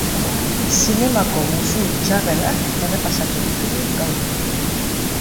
Zinemako musu txarrenak errepasatu ditugu gaur.